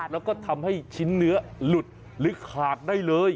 แล้วก็ทำให้ชิ้นเนื้อหลุดหรือขาดได้เลย